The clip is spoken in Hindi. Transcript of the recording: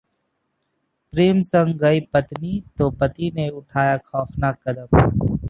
प्रेमी संग गई पत्नी तो पति ने उठाया खौफनाक कदम